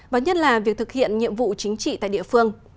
và nhất là việc thực hiện nhiệm vụ chính trị tại địa phương